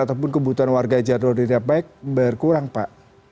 ataupun kebutuhan warga jadwal dirinya baik berkurang pak